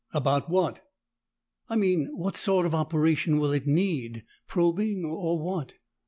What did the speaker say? "About what?" "I mean what sort of operation will it need? Probing or what?"